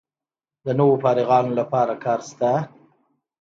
د نویو فارغانو لپاره کار شته؟